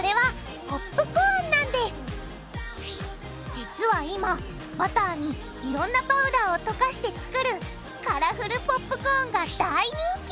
実は今バターにいろんなパウダーをとかして作るカラフルポップコーンが大人気！